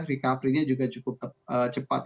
recoveringnya juga cukup cepat